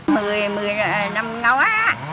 mười mười năm ngóa